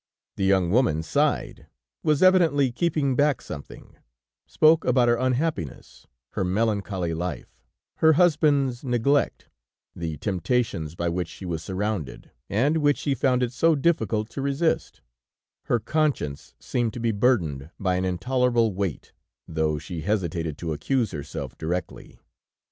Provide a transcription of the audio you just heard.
The young woman sighed, was evidently keeping back something, spoke about her unhappiness, her melancholy life, her husband's neglect, the temptations by which she was surrounded, and which she found it so difficult to resist; her conscience seemed to be burdened by an intolerable weight, though she hesitated to accuse herself directly.